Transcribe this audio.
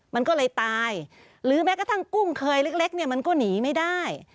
มันก็เลยตายหรือแม้กระทั่งกุ้งเคยเล็กเนี่ยมันก็หนีไม่ได้